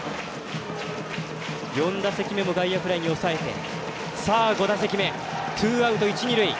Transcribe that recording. ４打席目も外野フライに抑えて５打席目、ツーアウト、一、二塁。